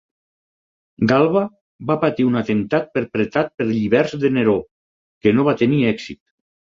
Galba va patir un atemptat perpetrat per lliberts de Neró, que no va tenir èxit.